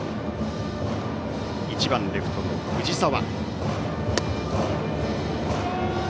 １番、レフトの藤澤。